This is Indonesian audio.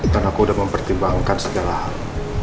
dan aku udah mempertimbangkan segala hal